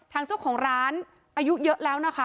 ทางเจ้าของร้านอายุเยอะแล้วนะคะ